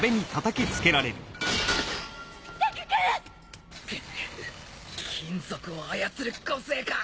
ぐっ金属を操る個性か！